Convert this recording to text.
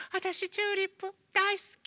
チューリップだいすき。